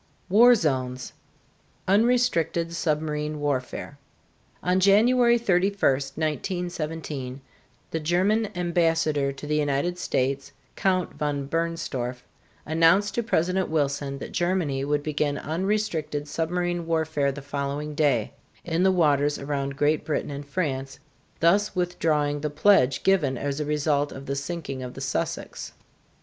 [Illustration: WAR ZONES] UNRESTRICTED SUBMARINE WARFARE. On January 31, 1917, the German ambassador to the United States, Count von Bernstorff, announced to President Wilson that Germany would begin unrestricted submarine warfare the following day, in the waters around Great Britain and France, thus withdrawing the pledge given as a result of the sinking of the "Sussex."